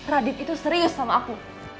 radit itu serius sama aku